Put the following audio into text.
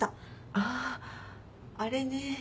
あっあれね。